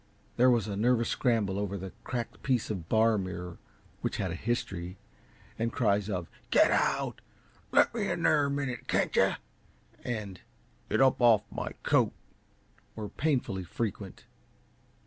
There was a nervous scramble over the cracked piece of a bar mirror which had a history and cries of "Get out!" "Let me there a minute, can't yuh?" and "Get up off my coat!" were painfully frequent.